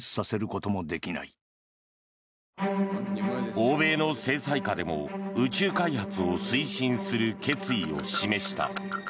欧米の制裁下でも宇宙開発を推進する決意を示した。